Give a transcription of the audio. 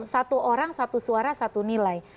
satu orang satu suara satu nilai